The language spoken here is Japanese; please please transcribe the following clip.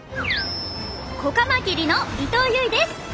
子カマキリの伊藤優衣です。